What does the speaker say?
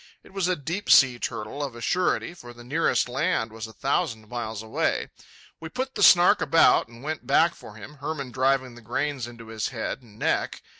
It was a deep sea turtle of a surety, for the nearest land was a thousand miles away. We put the Snark about and went back for him, Hermann driving the granes into his head and neck.